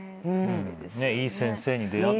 いい先生に出会った。